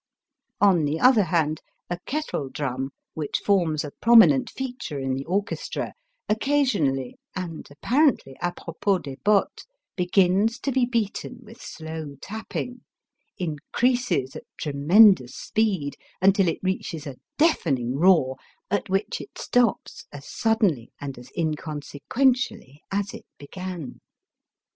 On the other hand, a kettledrum, which forms a prominent feature in the orchestra, occasionally, and apparently apropos des botteSj begins to be beaten with slow tapping, increases at tre mendous speed, until it reaches a deafening roar, at which it stops as suddenly and as inconsequentially as it began.